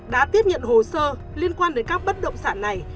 đã tiếp nhận hồ sơ liên quan đến các bất động sản này